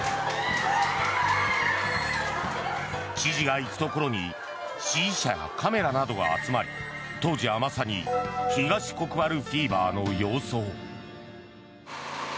知事が行くところに支持者やカメラなどが集まり当時はまさに東国原フィーバーの様相。